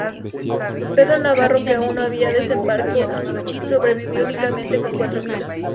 Pedro Navarro que aún no había desembarco sobrevivió únicamente con cuatro mil hombres.